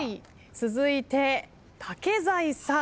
続いて竹財さん。